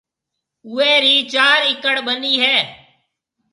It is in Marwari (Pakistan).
اوئيَ رِي چار اِڪڙ ٻنِي ھيََََ